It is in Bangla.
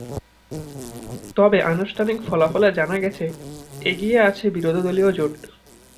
তবে অনানুষ্ঠানিক ফলাফলে জানা গেছে, এগিয়ে আছে বিরোধীদলীয় জোট।